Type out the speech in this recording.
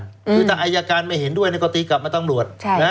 คือถ้าอายการไม่เห็นด้วยก็ตีกลับมาตำรวจ